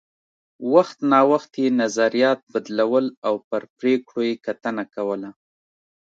وخت نا وخت یې نظریات بدلول او پر پرېکړو یې کتنه کوله